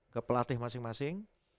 ke pelatih masing masing